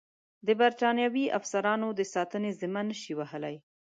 د برټانوي افسرانو د ساتنې ذمه نه شي وهلای.